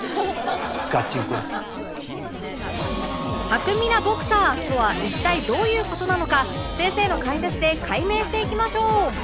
巧みなボクサーとは一体どういう事なのか先生の解説で解明していきましょう！